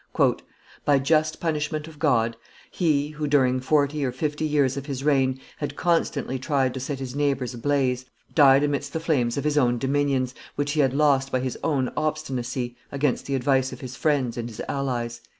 "By just punishment of God, he who, during forty or fifty years of his reign, had constantly tried to set his neighbors a blaze, died amidst the flames of his own dominions, which he had lost by his own obstinacy, against the advice of his friends and his allies."